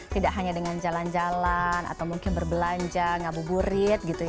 tidak hanya dengan jalan jalan atau mungkin berbelanja ngabuburit